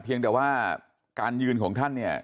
เพียงแต่ว่าการยืนของท่านเนี่ย